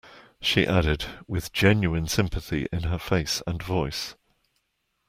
She added, with genuine sympathy in her face and voice.